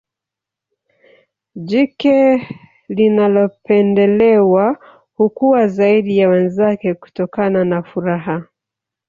jike linalopendelewa hukua zaidi ya wenzake kutokana na furaha